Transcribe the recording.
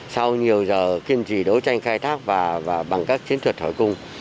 sau nhiều giờ kiên trì đấu tranh khai thác và bằng các chiến thuật hỏi cung